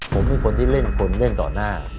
ผมเป็นคนที่เล่นคนเล่นต่อหน้า